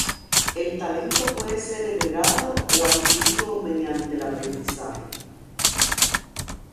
El talento puede ser heredado o adquirido mediante el aprendizaje.